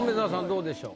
どうでしょう？